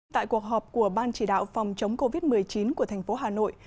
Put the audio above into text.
tại cuộc họp của ban chỉ đạo phòng chống covid một mươi chín của thành phố hà nội